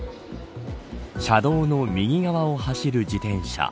車道の右側を走る自転車。